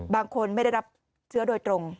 ไม่ได้รับเชื้อโดยตรง